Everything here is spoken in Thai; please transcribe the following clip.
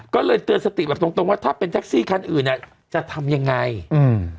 ก็เลยเตือนสติแบบตรงตรงว่าถ้าเป็นแท็กซี่คันอื่นอ่ะจะทำยังไงอืม